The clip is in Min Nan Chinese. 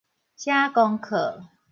寫功課